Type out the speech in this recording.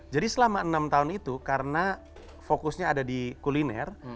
jadi selama enam tahun itu karena fokusnya ada di kuliner